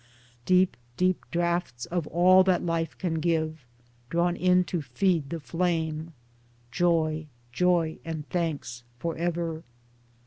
] Deep deep draughts of all that life can give, drawn in to feed the flame — Joy, joy and thanks for ever.